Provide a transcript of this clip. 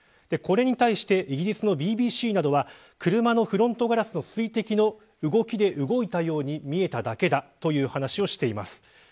これに対してイギリスのＢＢＣなどは車のフロントガラスの水滴で動いたように見えただけだという話をしています。